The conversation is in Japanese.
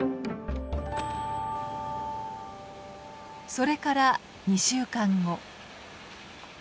それから２週間後。